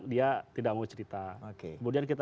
dia tidak mau cerita